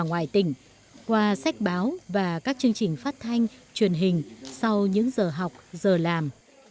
ngoài tỉnh qua sách báo và các chương trình phát thanh truyền hình sau những giờ học giờ làm